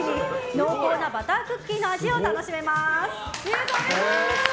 濃厚なバタークッキーの味を楽しめます。